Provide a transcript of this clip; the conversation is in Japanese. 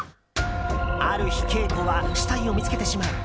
ある日、ケイコは死体を見つけてしまう。